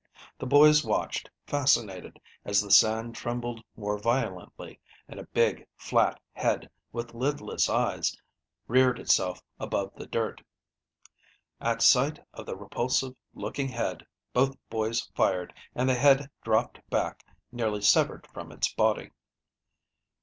The boys watched, fascinated, as the sand trembled more violently, and a big, flat head, with lidless eyes, reared itself above the dirt. At sight of the repulsive looking head, both boys fired, and the head dropped back, nearly severed from its body.